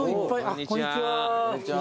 こんにちは。